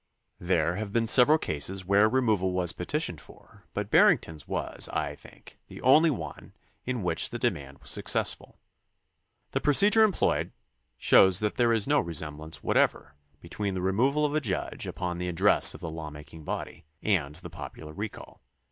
There have been several cases where removal was petitioned for, but Barrington's was, I think, the only one in which the demand was successful. The procedure employed shows that there is no resemblance whatever between the removal of a judge upon the address of the law making body and the popular recall.